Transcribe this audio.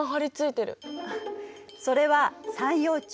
それは三葉虫。